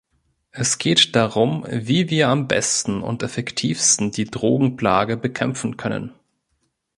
Es geht darum, wie wir am besten und effektivsten die Drogenplage bekämpfen können.